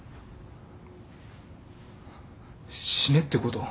死ねってこと？